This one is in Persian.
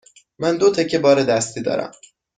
من دو تکه بار دستی دارم.